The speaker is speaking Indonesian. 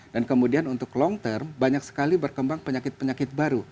dan kemudian untuk long term banyak sekali berkembang penyakit penyakit baru